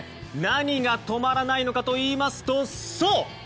何が止まらないのかといいますとそう！